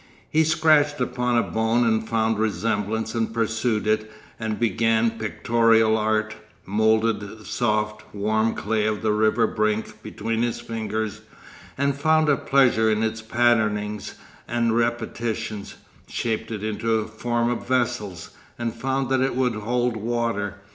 He scratched upon a bone and found resemblance and pursued it and began pictorial art, moulded the soft, warm clay of the river brink between his fingers, and found a pleasure in its patternings and repetitions, shaped it into the form of vessels, and found that it would hold water.